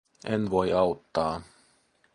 En voi auttaa.